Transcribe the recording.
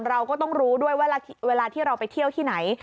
เราก็ต้องรู้ด้วยว่าเวลาที่เราไปเที่ยวที่ไหน